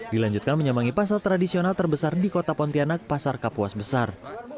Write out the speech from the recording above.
dilanjutkan menyambangi pasar tradisional terbesar di kota pontianak pasar kapuas besar